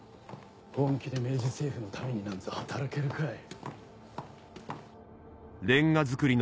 本気で明治政府のためになんぞ働けるかい。